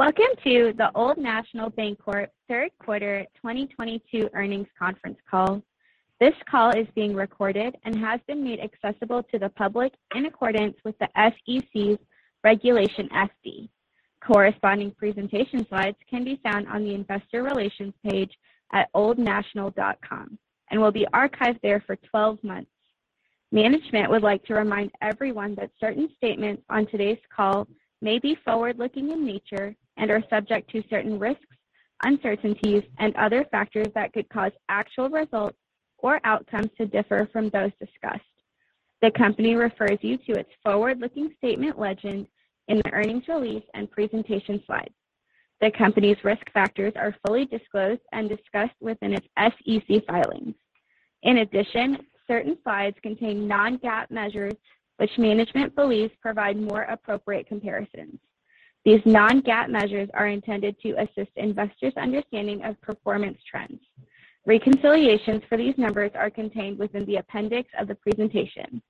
Welcome to the Old National Bancorp third quarter 2022 earnings conference call. This call is being recorded and has been made accessible to the public in accordance with the SEC's Regulation FD. Corresponding presentation slides can be found on the investor relations page at oldnational.com and will be archived there for 12 months. Management would like to remind everyone that certain statements on today's call may be forward-looking in nature and are subject to certain risks, uncertainties and other factors that could cause actual results or outcomes to differ from those discussed. The company refers you to its forward-looking statement legend in the earnings release and presentation slides. The company's risk factors are fully disclosed and discussed within its SEC filings. In addition, certain slides contain non-GAAP measures which management believes provide more appropriate comparisons. These non-GAAP measures are intended to assist investors' understanding of performance trends. Reconciliations for these numbers are contained within the appendix of the presentation.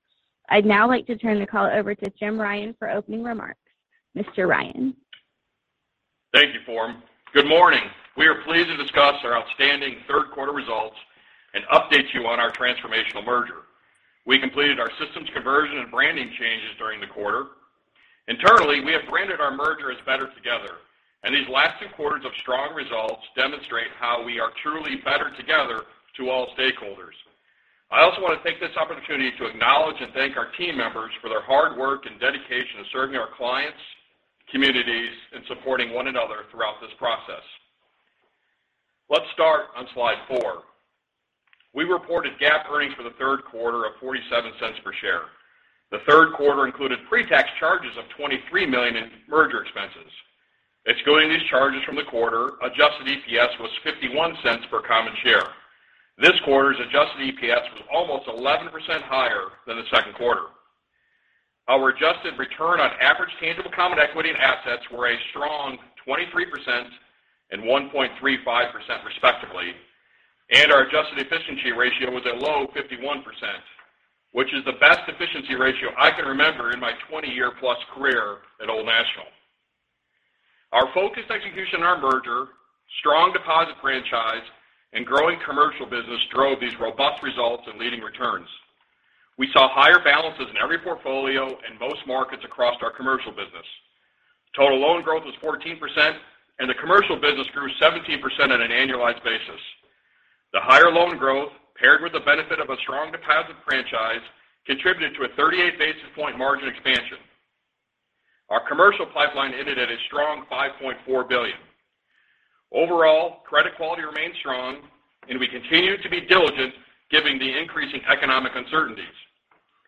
I'd now like to turn the call over to Jim Ryan for opening remarks. Mr. Ryan. Thank you, Norm. Good morning. We are pleased to discuss our outstanding third quarter results and update you on our transformational merger. We completed our systems conversion and branding changes during the quarter. Internally, we have branded our merger as Better Together, and these last two quarters of strong results demonstrate how we are truly better together to all stakeholders. I also want to take this opportunity to acknowledge and thank our team members for their hard work and dedication to serving our clients, communities, and supporting one another throughout this process. Let's start on slide four. We reported GAAP earnings for the third quarter of $0.47 per share. The third quarter included pre-tax charges of $23 million in merger expenses. Excluding these charges from the quarter, adjusted EPS was $0.51 per common share. This quarter's adjusted EPS was almost 11% higher than the second quarter. Our adjusted return on average tangible common equity and assets were a strong 23% and 1.35% respectively, and our adjusted efficiency ratio was a low 51%, which is the best efficiency ratio I can remember in my 20-year+ career at Old National. Our focused execution on our merger, strong deposit franchise, and growing commercial business drove these robust results and leading returns. We saw higher balances in every portfolio in most markets across our commercial business. Total loan growth was 14%, and the commercial business grew 17% on an annualized basis. The higher loan growth paired with the benefit of a strong deposit franchise contributed to a 38 basis points margin expansion. Our commercial pipeline ended at a strong $5.4 billion. Overall, credit quality remains strong, and we continue to be diligent giving the increasing economic uncertainties.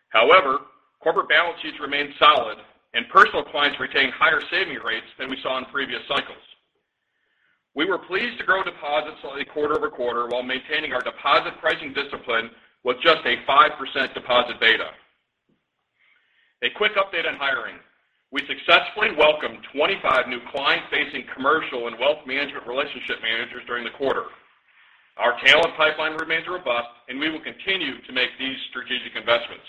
However, corporate balance sheets remain solid, and personal clients retain higher saving rates than we saw in previous cycles. We were pleased to grow deposits slowly quarter-over-quarter while maintaining our deposit pricing discipline with just a 5% deposit beta. A quick update on hiring. We successfully welcomed 25 new client-facing commercial and wealth management relationship managers during the quarter. Our talent pipeline remains robust, and we will continue to make these strategic investments.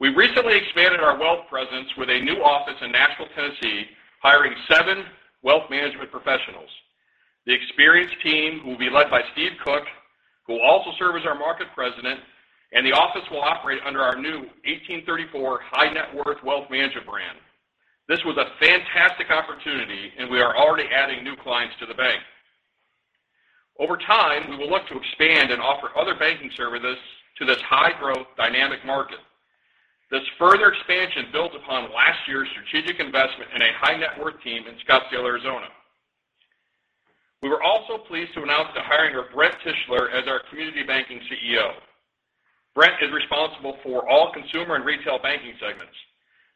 We recently expanded our wealth presence with a new office in Nashville, Tennessee, hiring seven wealth management professionals. The experienced team will be led by Steve Cook, who will also serve as our market president, and the office will operate under our new 1834 high net worth wealth management brand. This was a fantastic opportunity, and we are already adding new clients to the bank. Over time, we will look to expand and offer other banking services to this high-growth, dynamic market. This further expansion built upon last year's strategic investment in a high-net-worth team in Scottsdale, Arizona. We were also pleased to announce the hiring of Brent Tischler as our Community Banking CEO. Brent is responsible for all consumer and retail banking segments.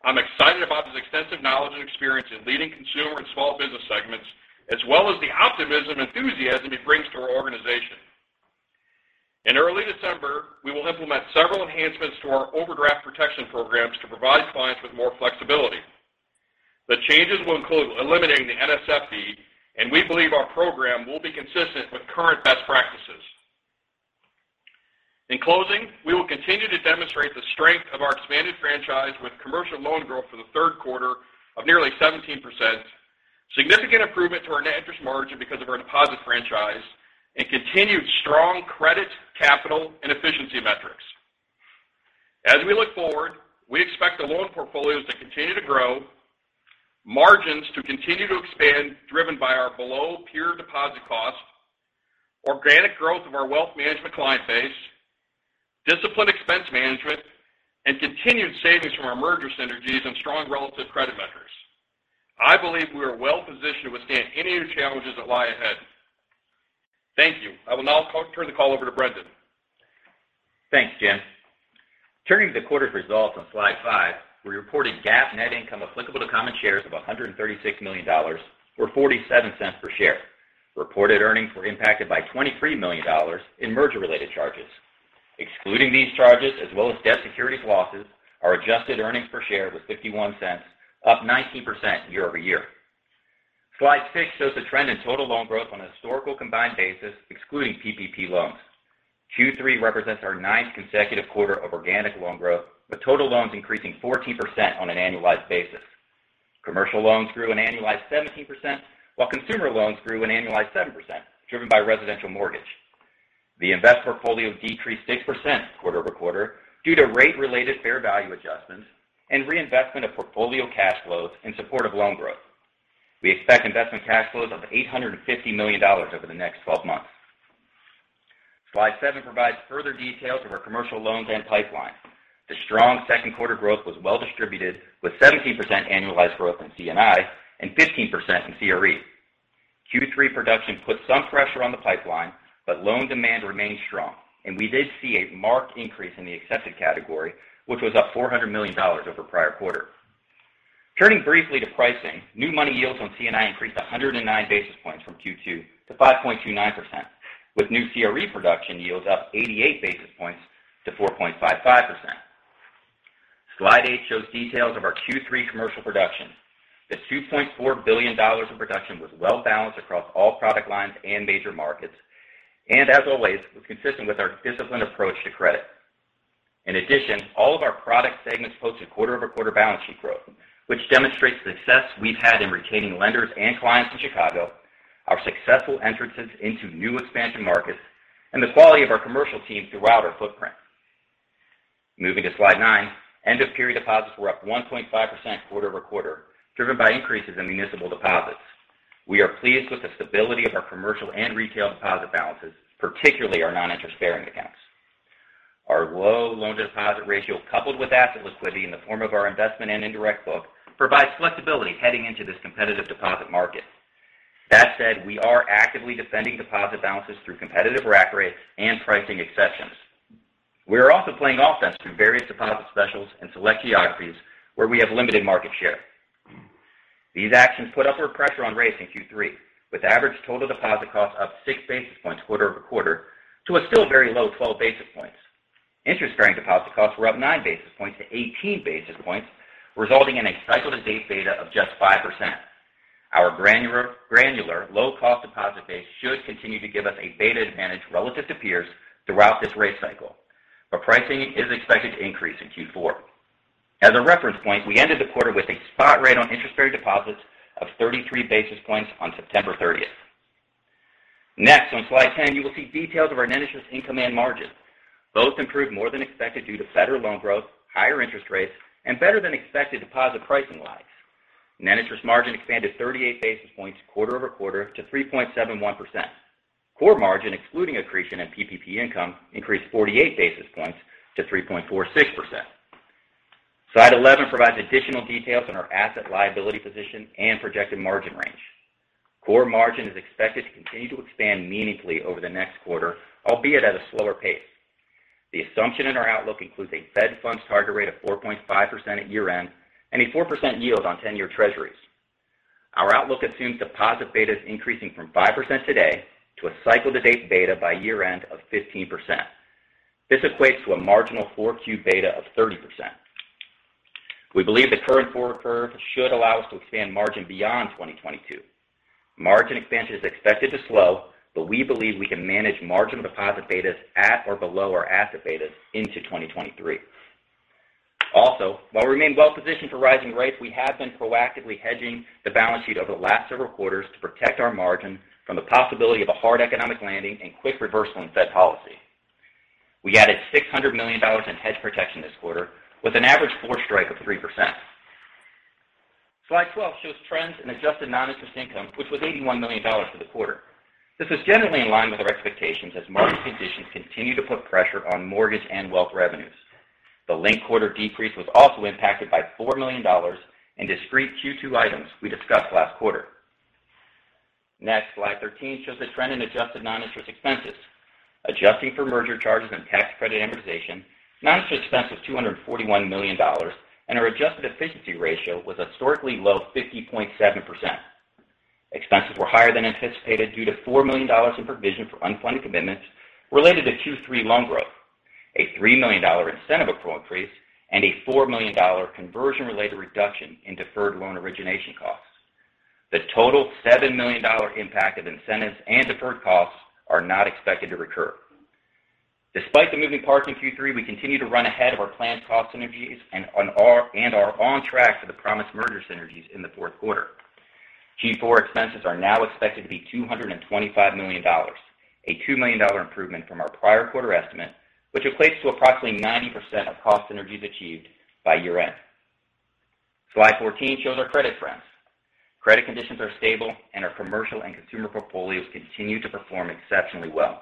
I'm excited about his extensive knowledge and experience in leading consumer and small business segments, as well as the optimism, enthusiasm he brings to our organization. In early December, we will implement several enhancements to our overdraft protection programs to provide clients with more flexibility. The changes will include eliminating the NSF fee, and we believe our program will be consistent with current best practices. In closing, we will continue to demonstrate the strength of our expanded franchise with commercial loan growth for the third quarter of nearly 17%, significant improvement to our net interest margin because of our deposit franchise, and continued strong credit, capital, and efficiency metrics. As we look forward, we expect the loan portfolios to continue to grow, margins to continue to expand driven by our below-peer deposit cost, organic growth of our wealth management client base, disciplined expense management, and continued savings from our merger synergies and strong relative credit metrics. I believe we are well-positioned to withstand any of the challenges that lie ahead. Thank you. I will now turn the call over to Brendon. Thanks, Jim. Turning to quarter results on slide five, we reported GAAP net income applicable to common shares of $136 million, or $0.47 per share. Reported earnings were impacted by $23 million in merger-related charges. Excluding these charges as well as debt securities losses, our adjusted earnings per share was $0.51, up 19% year-over-year. Slide 6 shows the trend in total loan growth on a historical combined basis excluding PPP loans. Q3 represents our ninth consecutive quarter of organic loan growth, with total loans increasing 14% on an annualized basis. Commercial loans grew an annualized 17%, while consumer loans grew an annualized 7%, driven by residential mortgage. The investment portfolio decreased 6% quarter-over-quarter due to rate-related fair value adjustments and reinvestment of portfolio cash flows in support of loan growth. We expect investment cash flows of $850 million over the next 12 months. Slide seven provides further details of our commercial loans and pipeline. The strong second quarter growth was well distributed with 17% annualized growth in C&I and 15% in CRE. Q3 production put some pressure on the pipeline, but loan demand remained strong, and we did see a marked increase in the accepted category, which was up $400 million over prior quarter. Turning briefly to pricing, new money yields on C&I increased 109 basis points from Q2 to 5.29%, with new CRE production yields up 88 basis points to 4.55%. Slide 8 shows details of our Q3 commercial production. The $2.4 billion in production was well balanced across all product lines and major markets. As always, was consistent with our disciplined approach to credit. In addition, all of our product segments posted quarter-over-quarter balance sheet growth, which demonstrates the success we've had in retaining lenders and clients in Chicago, our successful entrances into new expansion markets, and the quality of our commercial teams throughout our footprint. Moving to slide nine. End-of-period deposits were up 1.5% quarter-over-quarter, driven by increases in municipal deposits. We are pleased with the stability of our commercial and retail deposit balances, particularly our noninterest-bearing accounts. Our low loan deposit ratio, coupled with asset liquidity in the form of our investment and indirect book, provides flexibility heading into this competitive deposit market. That said, we are actively defending deposit balances through competitive rack rates and pricing exceptions. We are also playing offense through various deposit specials in select geographies where we have limited market share. These actions put upward pressure on rates in Q3, with average total deposit costs up 6 basis points quarter-over-quarter to a still very low 12 basis points. Interest-bearing deposit costs were up 9 basis points to 18 basis points, resulting in a cycle-to-date beta of just 5%. Our granular low-cost deposit base should continue to give us a beta advantage relative to peers throughout this rate cycle. Pricing is expected to increase in Q4. As a reference point, we ended the quarter with a spot rate on interest-bearing deposits of 33 basis points on September 30th. Next, on slide 10, you will see details of our net interest income and margins. Both improved more than expected due to better loan growth, higher interest rates, and better than expected deposit pricing lives. Net interest margin expanded 38 basis points quarter-over-quarter to 3.71%. Core margin, excluding accretion and PPP income, increased 48 basis points to 3.46%. Slide 11 provides additional details on our asset liability position and projected margin range. Core margin is expected to continue to expand meaningfully over the next quarter, albeit at a slower pace. The assumption in our outlook includes a Fed funds target rate of 4.5% at year-end and a 4% yield on 10-year Treasuries. Our outlook assumes deposit betas increasing from 5% today to a cycle to date beta by year-end of 15%. This equates to a marginal 4Q beta of 30%. We believe the current forward curve should allow us to expand margin beyond 2022. Margin expansion is expected to slow, but we believe we can manage marginal deposit betas at or below our asset betas into 2023. While we remain well positioned for rising rates, we have been proactively hedging the balance sheet over the last several quarters to protect our margin from the possibility of a hard economic landing and quick reversal in Fed policy. We added $600 million in hedge protection this quarter with an average forward strike of 3%. Slide 12 shows trends in adjusted non-interest income, which was $81 million for the quarter. This is generally in line with our expectations as market conditions continue to put pressure on mortgage and wealth revenues. The linked quarter decrease was also impacted by $4 million in discrete Q2 items we discussed last quarter. Next, slide 13 shows the trend in adjusted non-interest expenses. Adjusting for merger charges and tax credit amortization, non-interest expense was $241 million, and our adjusted efficiency ratio was historically low 50.7%. Expenses were higher than anticipated due to $4 million in provision for unfunded commitments related to Q3 loan growth, a $3 million incentive accrual increase, and a $4 million conversion-related reduction in deferred loan origination costs. The total $7 million impact of incentives and deferred costs are not expected to recur. Despite the moving parts in Q3, we continue to run ahead of our planned cost synergies and are on track for the promised merger synergies in the fourth quarter. Q4 expenses are now expected to be $225 million, a $2 million improvement from our prior quarter estimate, which equates to approximately 90% of cost synergies achieved by year-end. Slide 14 shows our credit trends. Credit conditions are stable, and our commercial and consumer portfolios continue to perform exceptionally well.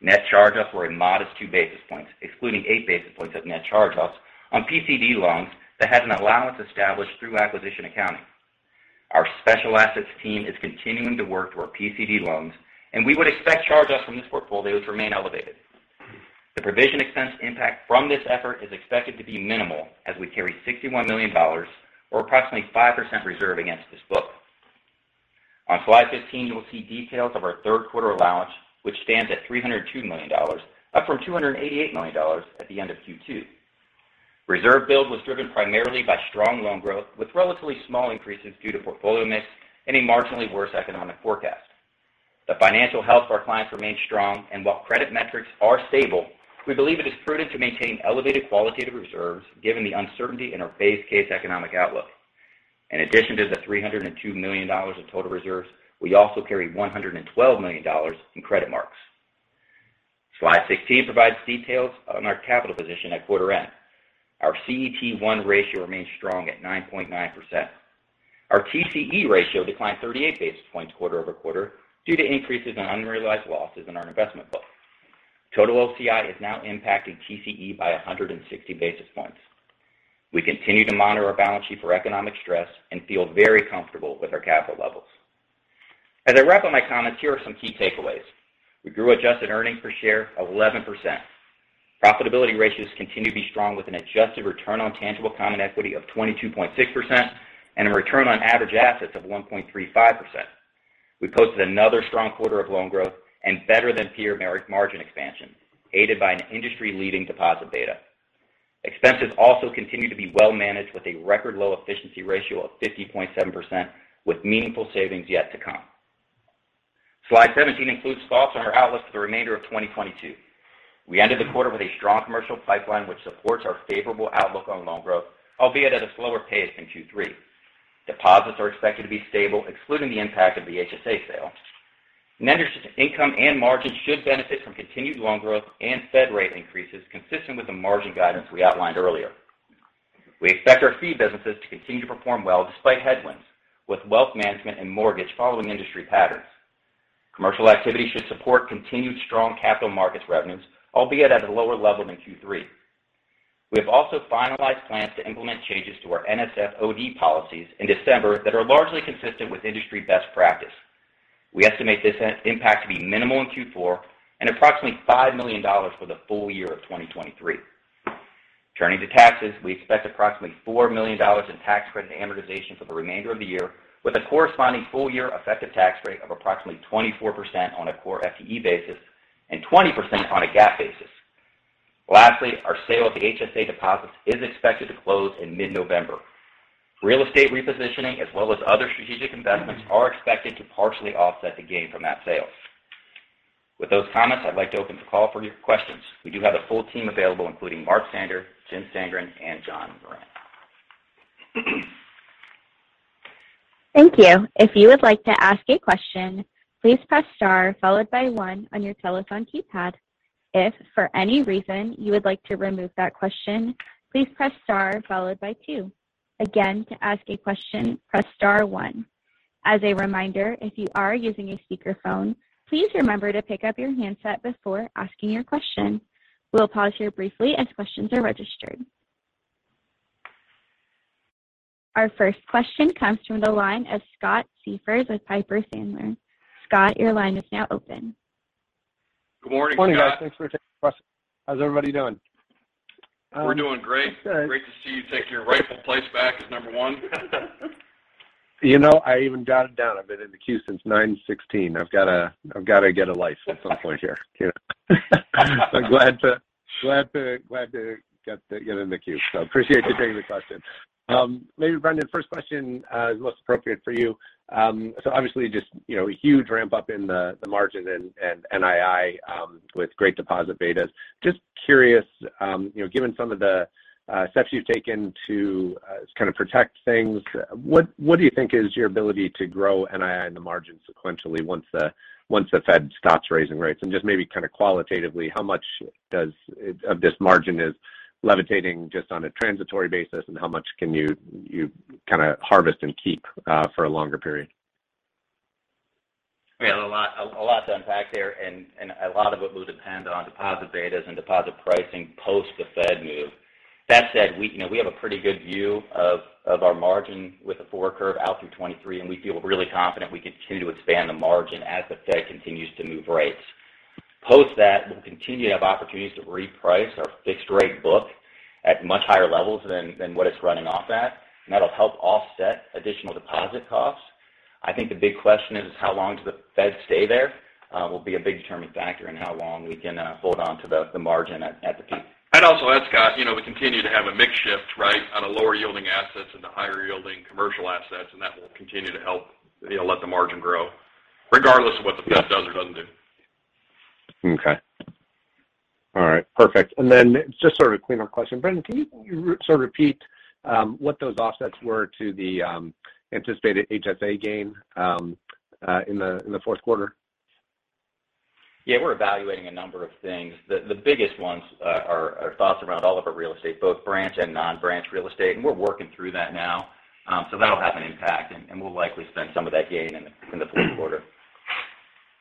Net charge-offs were a modest 2 basis points, excluding 8 basis points of net charge-offs on PCD loans that had an allowance established through acquisition accounting. Our special assets team is continuing to work through our PCD loans, and we would expect charge-offs from this portfolio to remain elevated. The provision expense impact from this effort is expected to be minimal as we carry $61 million or approximately 5% reserve against this book. On slide 15, you'll see details of our third quarter allowance, which stands at $302 million, up from $288 million at the end of Q2. Reserve build was driven primarily by strong loan growth with relatively small increases due to portfolio mix and a marginally worse economic forecast. The financial health of our clients remains strong, and while credit metrics are stable, we believe it is prudent to maintain elevated qualitative reserves given the uncertainty in our base case economic outlook. In addition to the $302 million of total reserves, we also carry $112 million in credit marks. Slide 16 provides details on our capital position at quarter end. Our CET1 ratio remains strong at 9.9%. Our TCE ratio declined 38 basis points quarter-over-quarter due to increases in unrealized losses in our investment book. Total AOCI is now impacting TCE by 160 basis points. We continue to monitor our balance sheet for economic stress and feel very comfortable with our capital levels. As I wrap up my comments, here are some key takeaways. We grew adjusted earnings per share of 11%. Profitability ratios continue to be strong with an adjusted return on tangible common equity of 22.6% and a return on average assets of 1.35%. We posted another strong quarter of loan growth and better than peer net margin expansion, aided by an industry-leading deposit beta. Expenses also continue to be well managed with a record low efficiency ratio of 50.7% with meaningful savings yet to come. Slide 17 includes thoughts on our outlook for the remainder of 2022. We ended the quarter with a strong commercial pipeline, which supports our favorable outlook on loan growth, albeit at a slower pace in Q3. Deposits are expected to be stable, excluding the impact of the HSA sale. Net interest income and margins should benefit from continued loan growth and Fed rate increases consistent with the margin guidance we outlined earlier. We expect our fee businesses to continue to perform well despite headwinds, with wealth management and mortgage following industry patterns. Commercial activity should support continued strong capital markets revenues, albeit at a lower level than Q3. We have also finalized plans to implement changes to our NSF/OD policies in December that are largely consistent with industry best practice. We estimate this impact to be minimal in Q4 and approximately $5 million for the full year of 2023. Turning to taxes, we expect approximately $4 million in tax credit amortization for the remainder of the year, with a corresponding full year effective tax rate of approximately 24% on a core FTE basis and 20% on a GAAP basis. Lastly, our sale of the HSA deposits is expected to close in mid-November. Real estate repositioning as well as other strategic investments are expected to partially offset the gain from that sale. With those comments, I'd like to open the call for your questions. We do have the full team available, including Mark Sander, Jim Sandgren, and John Moran. Thank you. If you would like to ask a question, please press star followed by one on your telephone keypad. If for any reason you would like to remove that question, please press star followed by two. Again, to ask a question, press star one. As a reminder, if you are using a speakerphone, please remember to pick up your handset before asking your question. We'll pause here briefly as questions are registered. Our first question comes from the line of Scott Siefers with Piper Sandler. Scott, your line is now open. Good morning, guys. Thanks for taking the question. How's everybody doing? We're doing great. Good. Great to see you take your rightful place back as number one. You know, I even jotted down. I've been in the queue since 9:16 A.M. I've gotta get a life at some point here. I'm glad to get in the queue. Appreciate you taking the question. Maybe Brendon, first question is most appropriate for you. So obviously just, you know, a huge ramp-up in the margin and NII with great deposit betas. Just curious, you know, given some of the steps you've taken to kind of protect things, what do you think is your ability to grow NII in the margin sequentially once the Fed stops raising rates? Just maybe kind of qualitatively, how much of this margin is levitating just on a transitory basis and how much can you kinda harvest and keep for a longer period? We have a lot to unpack there, and a lot of it will depend on deposit betas and deposit pricing post the Fed move. That said, you know, we have a pretty good view of our margin with the forward curve out through 2023, and we feel really confident we continue to expand the margin as the Fed continues to move rates. Post that, we'll continue to have opportunities to reprice our fixed rate book at much higher levels than what it's running off at, and that'll help offset additional deposit costs. I think the big question is how long does the Fed stay there, will be a big determining factor in how long we can hold on to the margin at the peak. I'd also add, Scott, you know, we continue to have a mix shift, right, out of lower-yielding assets into higher-yielding commercial assets, and that will continue to help, you know, let the margin grow regardless of what the Fed does or doesn't do. Okay. All right. Perfect. Just sort of a cleanup question. Brendon, can you sort of repeat what those offsets were to the anticipated HSA gain in the fourth quarter? Yeah, we're evaluating a number of things. The biggest ones are thoughts around all of our real estate, both branch and non-branch real estate. We're working through that now, so that'll have an impact, and we'll likely spend some of that gain in the fourth quarter.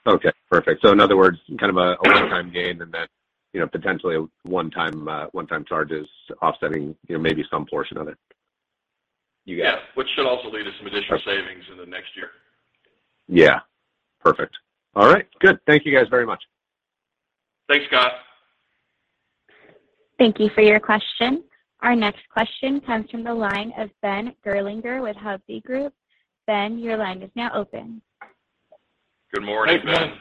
Okay. Perfect. In other words, kind of a one-time gain and then, you know, potentially a one-time charge is offsetting, you know, maybe some portion of it. You got it. Yeah. Which should also lead to some additional savings in the next year. Yeah. Perfect. All right. Good. Thank you guys very much. Thanks, Scott. Thank you for your question. Our next question comes from the line of Ben Gerlinger with Hovde Group. Ben, your line is now open. Good morning, Ben.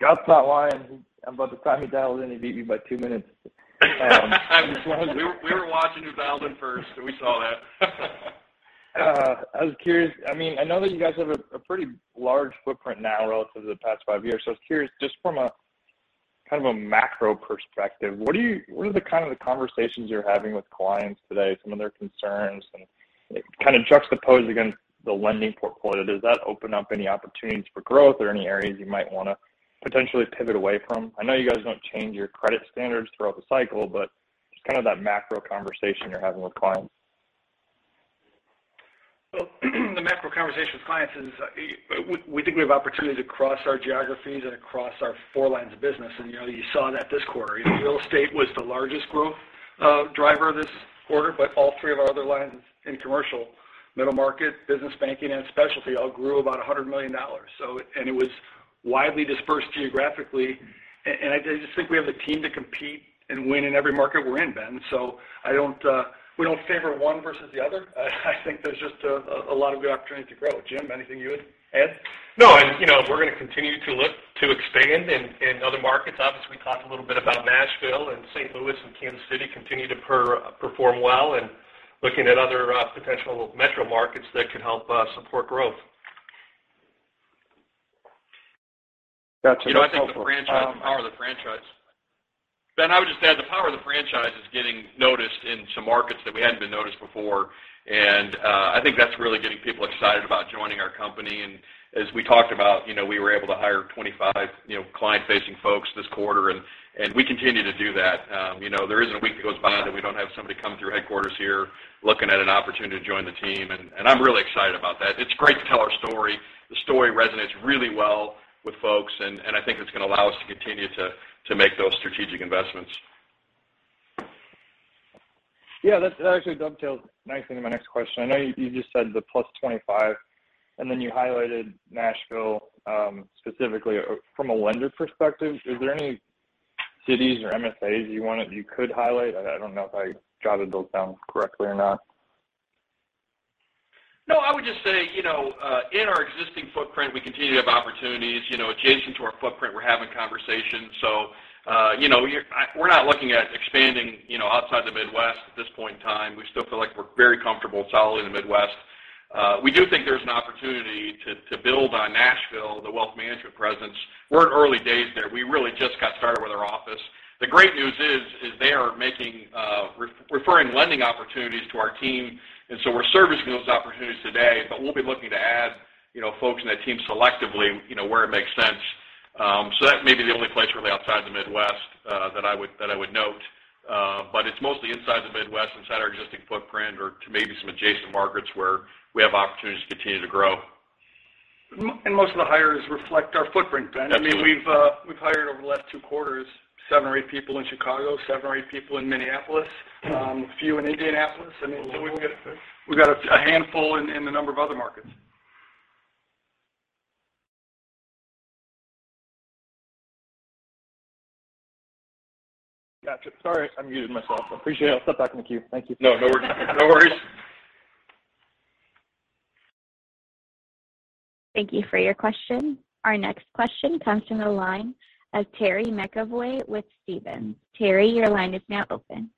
God's not lying. About the time he dialed in, he beat me by 2 minutes. We were watching who dialed in first, so we saw that. I was curious. I mean, I know that you guys have a pretty large footprint now relative to the past five years. I was curious, just from a kind of a macro perspective, what are the kind of the conversations you're having with clients today, some of their concerns, and kind of juxtaposed against the lending portfolio. Does that open up any opportunities for growth or any areas you might wanna potentially pivot away from? I know you guys don't change your credit standards throughout the cycle, but just kind of that macro conversation you're having with clients. Well, the macro conversation with clients is, we think we have opportunities across our geographies and across our four lines of business. You know, you saw that this quarter. You know, real estate was the largest growth driver this quarter, but all three of our other lines in commercial, middle market, business banking, and specialty all grew about $100 million. It was widely dispersed geographically. I just think we have the team to compete and win in every market we're in, Ben. We don't favor one versus the other. I think there's just a lot of good opportunity to grow. Jim, anything you would add? No. You know, we're gonna continue to look to expand in other markets. Obviously, we talked a little bit about Nashville and St. Louis and Kansas City continue to perform well and looking at other potential metro markets that could help support growth. Gotcha. That's helpful. You know, I think the franchise, the power of the franchise. Ben, I would just add the power of the franchise is getting noticed in some markets that we hadn't been noticed before. I think that's really getting people excited about joining our company. As we talked about, you know, we were able to hire 25, you know, client-facing folks this quarter, and we continue to do that. You know, there isn't a week that goes by that we don't have somebody come through headquarters here looking at an opportunity to join the team, and I'm really excited about that. It's great to tell our story. The story resonates really well with folks, and I think it's gonna allow us to continue to make those strategic investments. Yeah. That actually dovetails nicely into my next question. I know you just said the +25, and then you highlighted Nashville specifically. From a lender perspective, is there any cities or MSAs you could highlight? I don't know if I jotted those down correctly or not. No. I would just say, you know, in our existing footprint, we continue to have opportunities. You know, adjacent to our footprint, we're having conversations. You know, we're not looking at expanding, you know, outside the Midwest at this point in time. We still feel like we're very comfortable solidly in the Midwest. We do think there's an opportunity to build on Nashville, the wealth management presence. We're in early days there. We really just got started with our office. The great news is they are making referring lending opportunities to our team, and so we're servicing those opportunities today. We'll be looking to add, you know, folks in that team selectively, you know, where it makes sense. So that may be the only place really outside the Midwest that I would note. It's mostly inside the Midwest, inside our existing footprint or to maybe some adjacent markets where we have opportunities to continue to grow. Most of the hires reflect our footprint, Ben. Absolutely. I mean, we've hired over the last two quarters, seven or eight people in Chicago, seven or eight people in Minneapolis, a few in Indianapolis, and we've got a handful in a number of other markets. Gotcha. Sorry, I muted myself. I appreciate it. I'll step back in the queue. Thank you. No, no worries. No worries. Thank you for your question. Our next question comes from the line of Terry McEvoy with Stephens. Terry, your line is now open.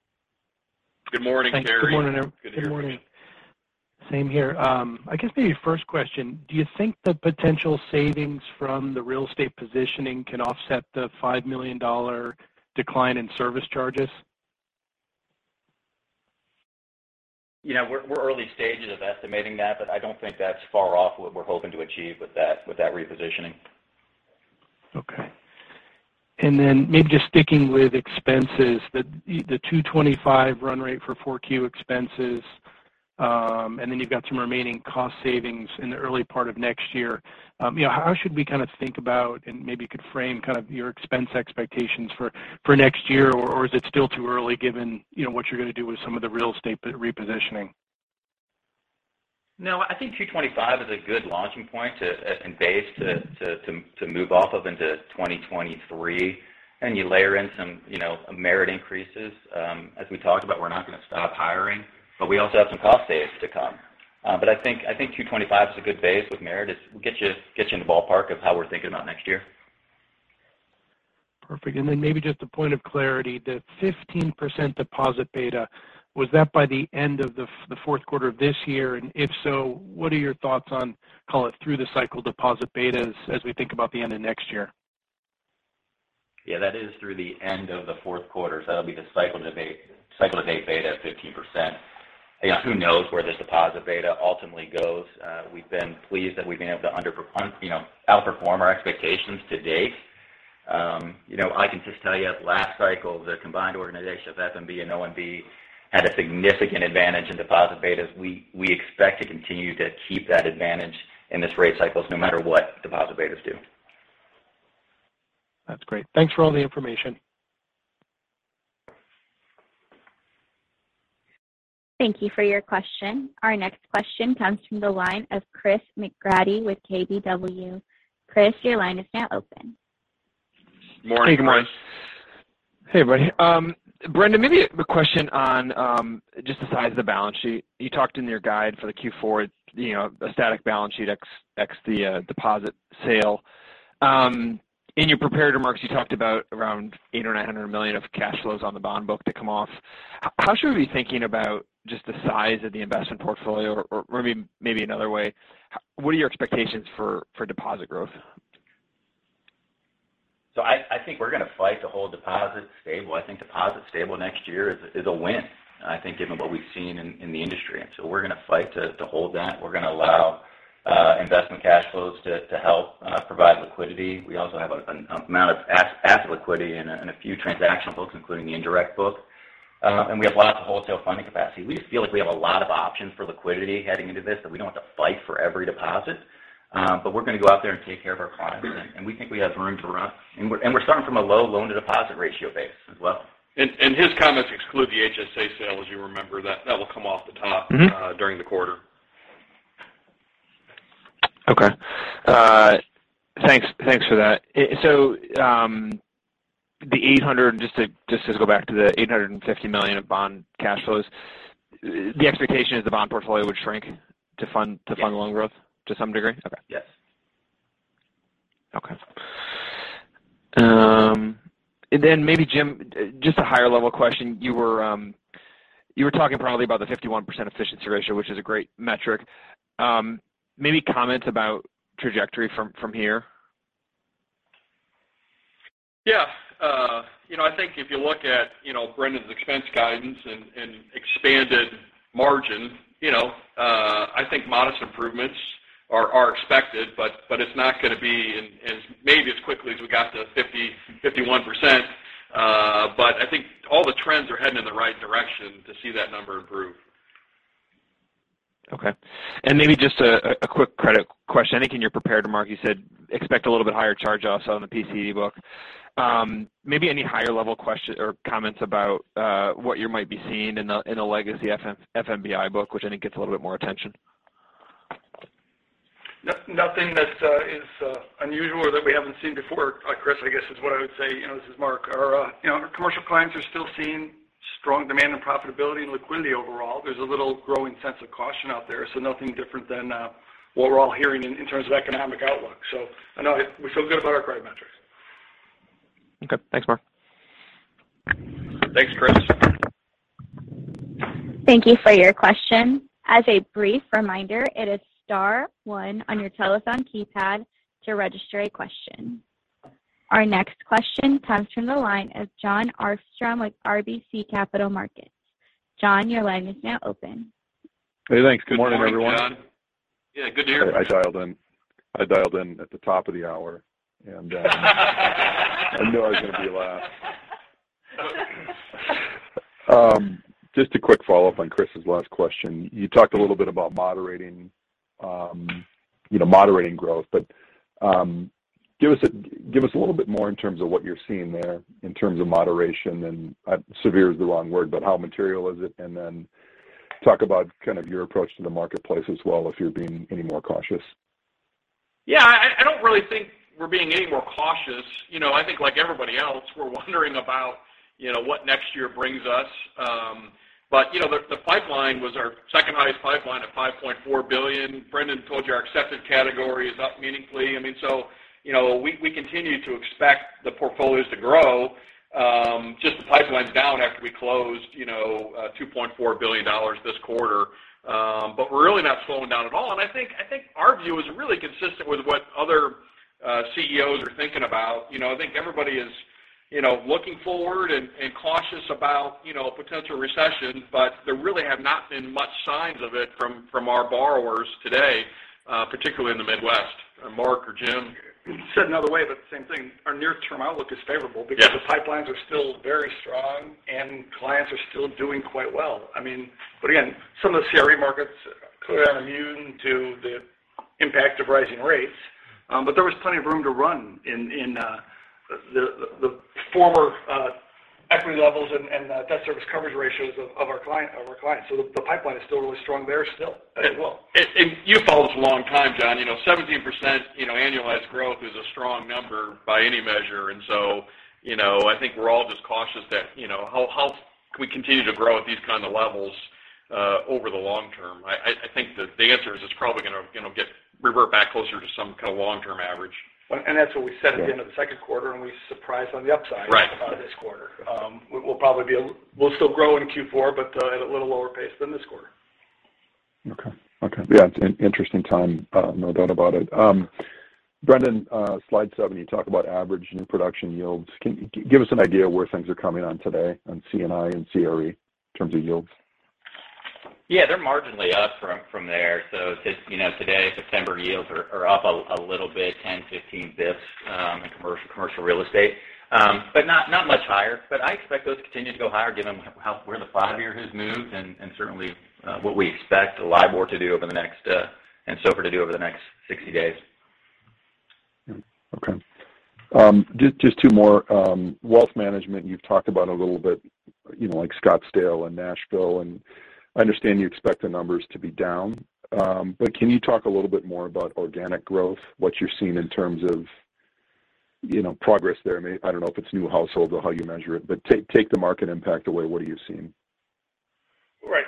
Good morning, Terry. Thanks. Good morning, Good to hear from you. Good morning. Same here. I guess maybe first question, do you think the potential savings from the real estate positioning can offset the $5 million decline in service charges? You know, we're early stages of estimating that, but I don't think that's far off what we're hoping to achieve with that repositioning. Okay. Maybe just sticking with expenses, the $225 run rate for 4Q expenses, and then you've got some remaining cost savings in the early part of next year. You know, how should we kind of think about, and maybe you could frame kind of your expense expectations for next year? Or is it still too early given, you know, what you're going to do with some of the real estate repositioning? No. I think 2.25% is a good launching point and base to move off of into 2023. You layer in some, you know, merit increases. As we talked about, we're not going to stop hiring, but we also have some cost savings to come. But I think 2.25% is a good base with merit. It gets you in the ballpark of how we're thinking about next year. Perfect. Maybe just a point of clarity. The 15% deposit beta, was that by the end of the fourth quarter of this year? If so, what are your thoughts on, call it, through the cycle deposit betas as we think about the end of next year? Yeah, that is through the end of the fourth quarter. That'll be the cycle of the beta at 15%. You know, who knows where the deposit beta ultimately goes? We've been pleased that we've been able to underperform, you know, outperform our expectations to date. You know, I can just tell you at last cycle, the combined organization of ONB and FMBI had a significant advantage in deposit betas. We expect to continue to keep that advantage in this rate cycle no matter what deposit betas do. That's great. Thanks for all the information. Thank you for your question. Our next question comes from the line of Chris McGratty with KBW. Chris, your line is now open. Morning, Chris. Hey, everybody. Brendon, maybe a question on just the size of the balance sheet. You talked in your guide for the Q4, you know, a static balance sheet ex the deposit sale. In your prepared remarks, you talked about around $800 million-$900 million of cash flows on the bond book to come off. How should we be thinking about just the size of the investment portfolio? Or maybe another way, what are your expectations for deposit growth? I think we're gonna fight to hold deposits stable. I think deposits stable next year is a win, I think given what we've seen in the industry. We're gonna fight to hold that. We're gonna allow investment cash flows to help provide liquidity. We also have an amount of asset liquidity in a few transactional books, including the indirect book. We have lots of wholesale funding capacity. We just feel like we have a lot of options for liquidity heading into this, that we don't have to fight for every deposit. We're gonna go out there and take care of our clients. We think we have room to run. We're starting from a low loan-to-deposit ratio base as well. His comments exclude the HSA sale, as you remember. That will come off the top. Mm-hmm During the quarter. Okay. Thanks for that. The 800, just to go back to the $850 million of bond cash flows, the expectation is the bond portfolio would shrink to fund Yes. to fund loan growth to some degree? Okay. Yes. Okay. Maybe Jim, just a higher level question. You were talking probably about the 51% efficiency ratio, which is a great metric. Maybe comment about trajectory from here. Yeah. You know, I think if you look at, you know, Brendan's expense guidance and expanded margin, you know, I think modest improvements are expected, but it's not gonna be in as maybe as quickly as we got to 50%-51%. I think all the trends are heading in the right direction to see that number improve. Okay. Maybe just a quick credit question. I think in your prepared remark you said, expect a little bit higher charge-offs on the PCD book. Maybe any higher level questions or comments about what you might be seeing in the legacy FMBI book, which I think gets a little bit more attention. Nothing that is unusual or that we haven't seen before, Chris, I guess is what I would say. You know, this is Mark. Our you know, our commercial clients are still seeing strong demand and profitability and liquidity overall. There's a little growing sense of caution out there, so nothing different than what we're all hearing in terms of economic outlook. I know we feel good about our credit metrics. Okay. Thanks, Mark. Thanks, Chris. Thank you for your question. As a brief reminder, it is star one on your telephone keypad to register a question. Our next question comes from the line of Jon Arfstrom with RBC Capital Markets. Jon, your line is now open. Hey, thanks. Good morning, everyone. Good morning, John. Yeah, good to hear. I dialed in at the top of the hour, and I knew I was gonna be last. Just a quick follow-up on Chris's last question. You talked a little bit about moderating, you know, moderating growth, but give us a little bit more in terms of what you're seeing there in terms of moderation and severe is the wrong word, but how material is it? Then talk about kind of your approach to the marketplace as well, if you're being any more cautious. Yeah. I don't really think we're being any more cautious. You know, I think like everybody else, we're wondering about, you know, what next year brings us. But you know, the pipeline was our second highest pipeline at $5.4 billion. Brendan told you our accepted category is up meaningfully. I mean, so, you know, we continue to expect the portfolios to grow, just the pipeline's down after we closed, you know, $2.4 billion this quarter. But we're really not slowing down at all. I think our view is really consistent with what other CEOs are thinking about. You know, I think everybody is, you know, looking forward and cautious about, you know, a potential recession, but there really have not been much signs of it from our borrowers today, particularly in the Midwest. Mark or Jim? Said another way, but the same thing. Our near-term outlook is favorable. Yes Because the pipelines are still very strong and clients are still doing quite well. I mean, but again, some of the CRE markets clearly aren't immune to the impact of rising rates, but there was plenty of room to run in the former equity levels and debt service coverage ratios of our clients. The pipeline is still really strong there still as well. You followed us a long time, Jon. You know, 17%, you know, annualized growth is a strong number by any measure. You know, I think we're all just cautious that, you know, how can we continue to grow at these kind of levels over the long term? I think the answer is it's probably gonna, you know, get revert back closer to some kind of long term average. That's what we said at the end of the second quarter, and we surprised on the upside. Right This quarter. We'll still grow in Q4, but at a little lower pace than this quarter. Okay. Yeah, it's an interesting time, no doubt about it. Brendon, slide seven, you talk about average new production yields. Can you give us an idea where things are coming on today on C&I and CRE in terms of yields? Yeah, they're marginally up from there. Just, you know, today, September yields are up a little bit, 10-15 basis points, in commercial real estate. Not much higher. I expect those to continue to go higher given where the five-year has moved and certainly what we expect LIBOR to do over the next, and SOFR to do over the next 60 days. Okay. Just two more. Wealth management, you've talked about a little bit. You know, like Scottsdale and Nashville, and I understand you expect the numbers to be down. But can you talk a little bit more about organic growth, what you're seeing in terms of, you know, progress there? I don't know if it's new households or how you measure it, but take the market impact away, what are you seeing? Right.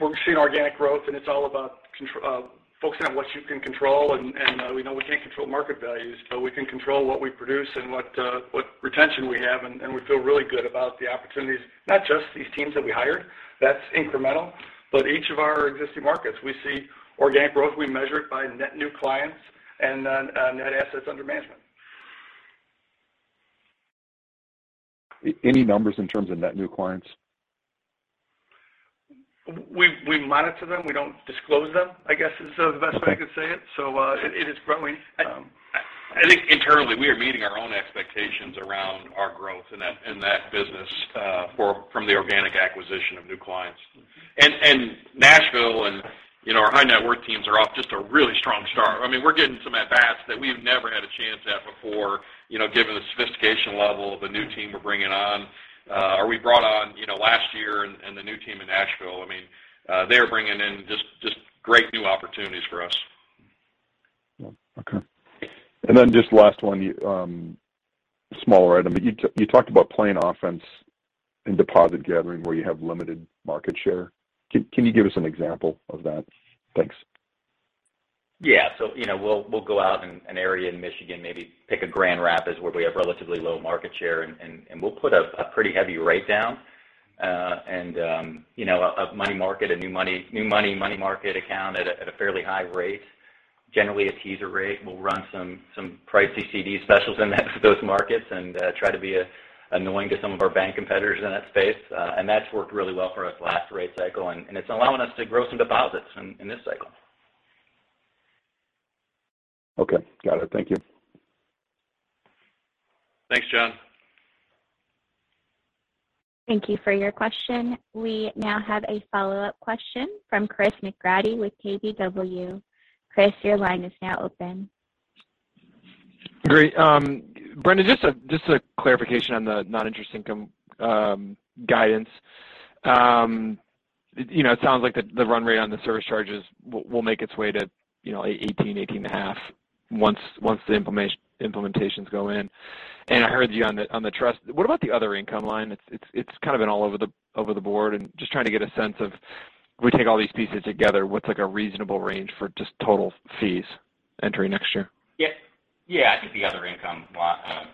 We're seeing organic growth, and it's all about focusing on what you can control. We know we can't control market values, but we can control what we produce and what retention we have. We feel really good about the opportunities. Not just these teams that we hired, that's incremental, but each of our existing markets. We see organic growth. We measure it by net new clients and net assets under management. Any numbers in terms of net new clients? We monitor them. We don't disclose them, I guess, is the best way I could say it. It is growing. I think internally, we are meeting our own expectations around our growth in that business from the organic acquisition of new clients. Nashville and, you know, our high net worth teams are off to a really strong start. I mean, we're getting some at-bats that we've never had a chance at before, you know, given the sophistication level of the new team we brought on, you know, last year and the new team in Nashville. I mean, they're bringing in just great new opportunities for us. Okay. Just last one, smaller item. You talked about playing offense in deposit gathering where you have limited market share. Can you give us an example of that? Thanks. Yeah. You know, we'll go out in an area in Michigan, maybe pick a Grand Rapids where we have relatively low market share, and we'll put a pretty heavy rate down. You know, a money market, a new money money market account at a fairly high rate. Generally, a teaser rate. We'll run some pricey CD specials in that for those markets and try to be annoying to some of our bank competitors in that space. And that's worked really well for us last rate cycle, and it's allowing us to grow some deposits in this cycle. Okay. Got it. Thank you. Thanks, Jon. Thank you for your question. We now have a follow-up question from Chris McGratty with KBW. Chris, your line is now open. Great. Brendan, just a clarification on the non-interest income guidance. You know, it sounds like the run rate on the service charges will make its way to, you know, 18.5 once the implementations go in. I heard you on the trust. What about the other income line? It's kind of been all over the board. Just trying to get a sense of, we take all these pieces together, what's a reasonable range for just total fees entering next year? Yeah. Yeah. I think the other income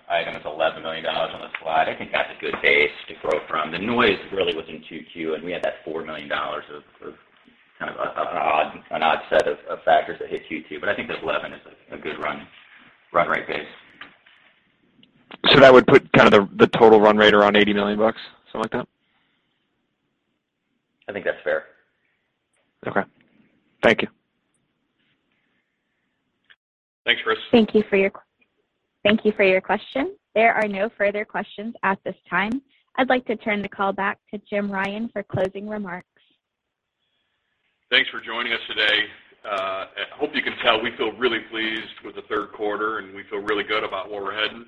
item is $11 million on the slide. I think that's a good base to grow from. The noise really was in Q2, and we had that $4 million of kind of an odd set of factors that hit Q2. I think that 11 is a good run rate base. That would put kind of the total run rate around $80 million, something like that? I think that's fair. Okay. Thank you. Thanks, Chris. Thank you for your question. There are no further questions at this time. I'd like to turn the call back to Jim Ryan for closing remarks. Thanks for joining us today. I hope you can tell we feel really pleased with the third quarter, and we feel really good about where we're heading.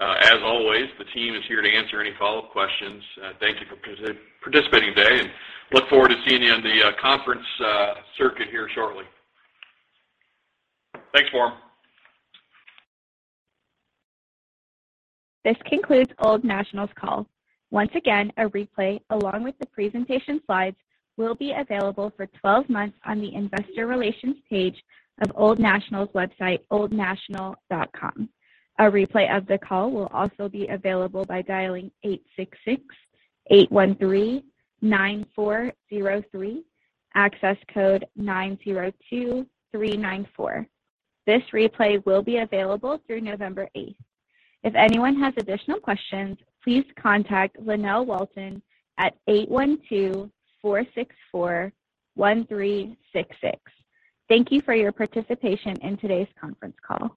As always, the team is here to answer any follow-up questions. Thank you for participating today and look forward to seeing you in the conference circuit here shortly. Thanks, Norm. This concludes Old National's call. Once again, a replay, along with the presentation slides, will be available for 12 months on the investor relations page of Old National's website, oldnational.com. A replay of the call will also be available by dialing 866-813-9403, access code 902394. This replay will be available through November eighth. If anyone has additional questions, please contact Lynell Walton at 812-464-1366. Thank you for your participation in today's conference call.